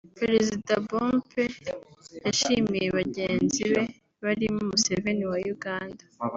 Perezida Pombe yashimiye bagenzi be barimo Museveni wa Uganda